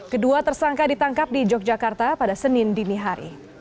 kedua tersangka ditangkap di yogyakarta pada senin dini hari